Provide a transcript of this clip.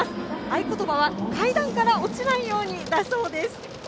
合言葉は「階段から落ちないように」だそうです。